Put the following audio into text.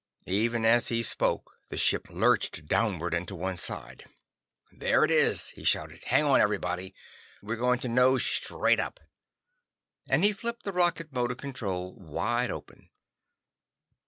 Even as he spoke, the ship lurched downward and to one side. "There it is!" he shouted. "Hang on, everybody. We're going to nose straight up!" And he flipped the rocket motor control wide open.